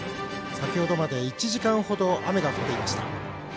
先ほどまで１時間ほど雨が降っていました。